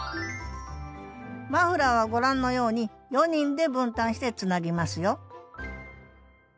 マフラーはご覧のように４人で分担してつなぎますよ